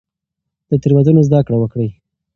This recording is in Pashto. له تېروتنو زده کړه وکړئ.